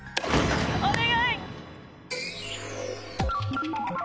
お願い！